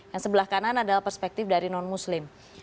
yang sebelah kanan adalah perspektif dari non muslim